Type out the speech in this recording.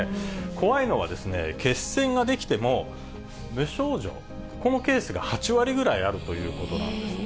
怖いのは、血栓が出来ても、無症状、このケースが８割ぐらいあるということなんです。